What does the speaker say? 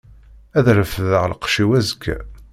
Ad refdeɣ lqecc-iw azekka.